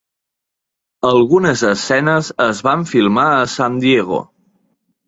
Algunes escenes es van filmar a San Diego.